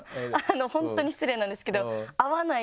本当に失礼なんですけど。